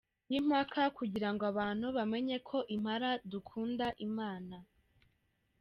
yImpala kugira ngo nabantu bamenye ko Impala dukunda Imana.